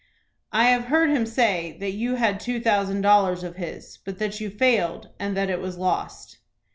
"I have heard him say that you had two thousand dollars of his, but that you failed, and that it was lost."